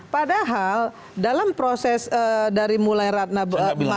padahal dalam proses dari mulai ratna masuk rumah sakit ya